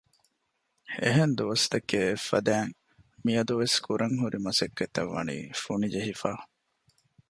އެހެން ދުވަސް ތަކޭ އެއްފަދައިން މިއަދުވެސް ކުރަންހުރި މަސައްކަތްތައް ވަނީ ފުނި ޖެހިފަ